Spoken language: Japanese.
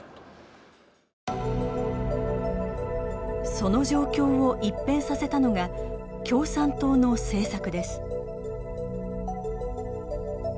その状況を一変させたのが共産党の政策です。